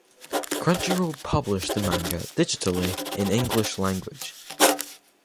Crunchyroll published the manga digitally in English language.